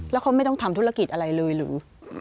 แล้วเขาไม่ต้องทำธุรกิจอะไรเลยหรือ